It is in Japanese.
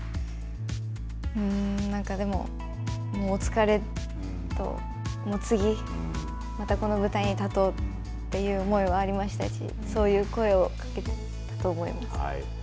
うーん、なんかでも、もう疲れと次、またこの舞台に立とうという思いはありましたし、そういう声をかけたと思います。